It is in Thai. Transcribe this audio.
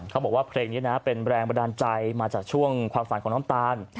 เขาบอกว่าเพลงนี้นะเป็นแรงบันดาลใจมาจากช่วงความฝันของน้ำตาล